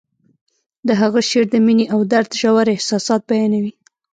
د هغه شعر د مینې او درد ژور احساسات بیانوي